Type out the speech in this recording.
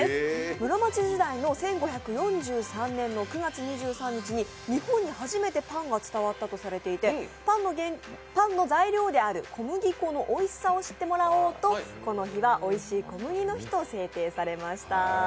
室町時代の１５４３年の９月２３日に日本に初めてパンが伝わったとされていてパンの材料である小麦粉のおいしさを知ってもらおうとこの日はおいしい小麦粉の日と制定されました。